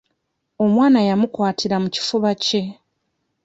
Omwana yamukwatira mu kifuba kye.